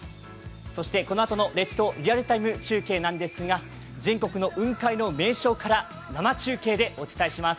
そして、このあとの「列島リアルタイム中継」なんですが全国の雲海の名所から生中継でお伝えします。